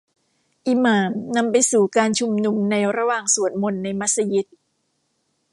อิหม่ามนำไปสู่การชุมนุมในระหว่างสวดมนต์ในมัสยิด